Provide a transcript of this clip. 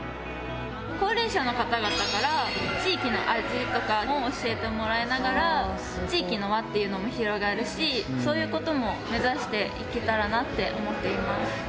高齢者の方々から地域の味とかも教えてもらいながら地域の輪っていうのも広がるしそういうことも目指していけたらなって思っています。